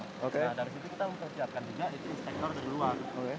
nah dari situ kita mempersiapkan juga itu inspektor dari luar